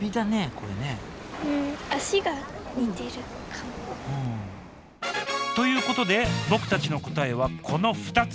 これねということで僕たちの答えはこの２つ。